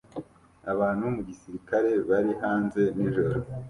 Abantu mu gisirikare bari hanze nijoro